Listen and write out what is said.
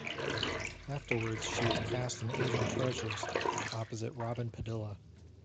Afterwards, she was cast in "Asian Treasures", opposite Robin Padilla.